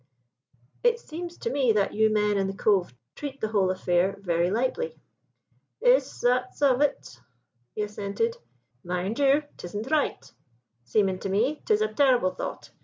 "'It seems to me that you men in the Cove treat the whole affair very lightly.' "'Iss, tha's of it,' he assented. 'Mind you, tisn' right, Seemin' to me 'tis a terrible thought.